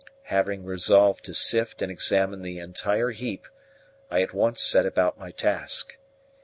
Having resolved to sift and examine the entire heap, I at once set about my task.